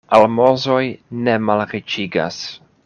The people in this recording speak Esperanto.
Almozoj ne malriĉigas.